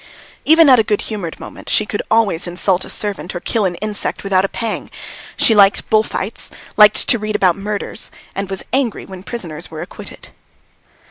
Even at a good humoured moment, she could always insult a servant or kill an insect without a pang; she liked bull fights, liked to read about murders, and was angry when prisoners were acquitted.